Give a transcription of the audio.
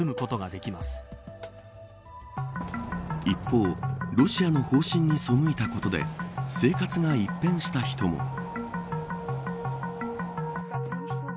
一方、ロシアの方針に背いたことで生活が一変した人も。